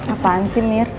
apaan sih mir